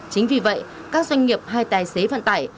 chính vì vậy các doanh nghiệp hay tài xế vận tải